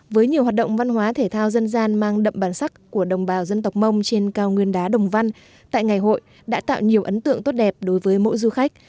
với nhiều hoạt động văn hóa thể thao dân gian mang đậm bản sắc của đồng bào dân tộc mông trên cao nguyên đá đồng văn tại ngày hội đã tạo nhiều ấn tượng tốt đẹp đối với mỗi du khách